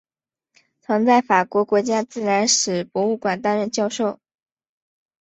曾在法国国家自然史博物馆担任教授。